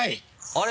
あれ？